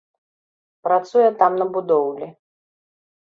Працуе там на будоўлі.